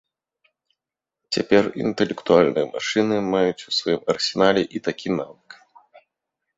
Цяпер інтэлектуальныя машыны маюць у сваім арсенале і такі навык.